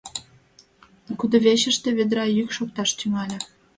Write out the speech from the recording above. Кудывечыште ведра йӱк шокташ тӱҥале.